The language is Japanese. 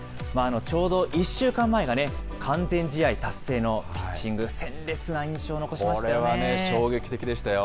ちょうど１週間前がね、完全試合達成のピッチング、鮮烈な印象をこれはね、衝撃的でしたよ。